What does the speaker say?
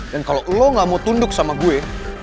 dan kalo lo gak mau tunduk sama gue